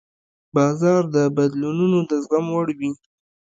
بازار د بدلونونو د زغم وړ وي.